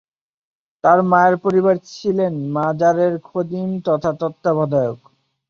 তার মায়ের পরিবার ছিলেন মাজারের খাদিম তথা তত্ত্বাবধায়ক।